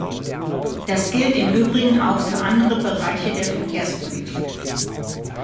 Das gilt im übrigen auch für andere Bereiche der Verkehrspolitik.